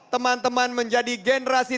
teman teman menjadi generasi